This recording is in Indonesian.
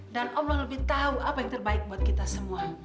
dan allah lebih tahu apa yang terbaik buat kita semua